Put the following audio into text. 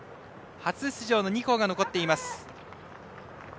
初出場の２校が残っています。